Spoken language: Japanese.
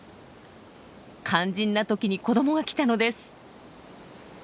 肝心な時に子どもが来たのです。